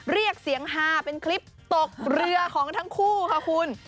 เรียกเสียงฮาเป็นคลิปตกเรือของทั้งคู่ค่ะคุณ